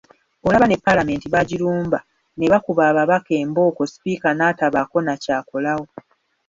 Olaba ne paalamenti baagirumba ne bakuba ababaka embooko sipiika natabaako na kyakolawo.